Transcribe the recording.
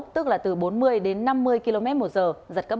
tức là từ bốn mươi năm mươi km một giờ giật cấp bảy